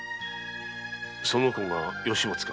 その子が吉松か？